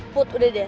put udah deh